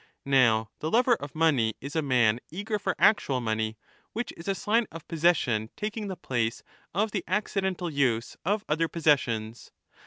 Now the lover of money is a man eager for actual money, which is a sign of possession taking the place of the accidental use of other possessions.